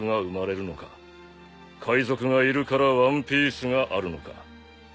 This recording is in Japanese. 海賊がいるからワンピースがあるのか？